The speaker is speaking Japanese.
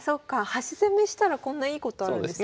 端攻めしたらこんないいことあるんですね。